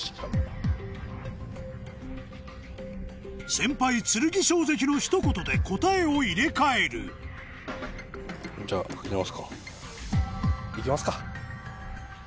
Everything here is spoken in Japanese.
先輩剣翔関のひと言で答えを入れ替える行きますか。